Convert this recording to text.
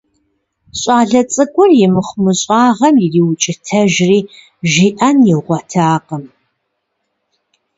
ЩӀалэ цӀыкӀур и мыхъумыщӀагъэм ириукӀытэжри, жиӀэн игъуэтакъым.